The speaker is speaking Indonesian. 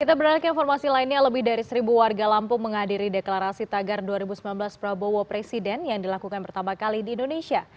kita beralih ke informasi lainnya lebih dari seribu warga lampung menghadiri deklarasi tagar dua ribu sembilan belas prabowo presiden yang dilakukan pertama kali di indonesia